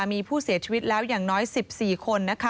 มีผู้เสียชีวิตแล้วอย่างน้อย๑๔คน